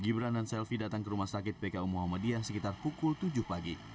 gibran dan selvi datang ke rumah sakit pku muhammadiyah sekitar pukul tujuh pagi